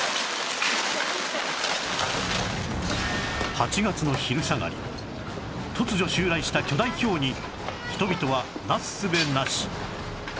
８月の昼下がり突如襲来した巨大ひょうに人々はなすすべなし